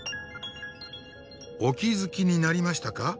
お気付きになりましたか？